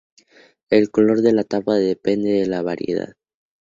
El color de la capa depende de la variedad.